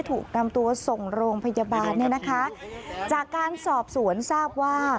ถูกนำตัวส่งโรงพยาบาลเนี่ยนะคะจากการสอบสวนทราบว่า